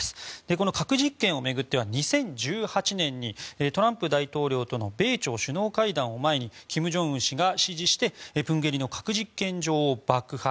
この核実験を巡っては２０１８年にトランプ大統領との米朝首脳会談を前に金正恩氏が指示してプンゲリの核実験場を爆破。